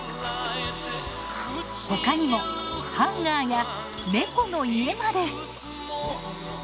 他にもハンガーや猫の家まで。